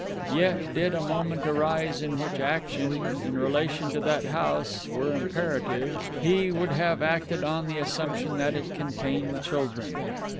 Yet, did a moment arise in which action, in relation to that house, were imperative, he would have acted on the assumption that it contained children.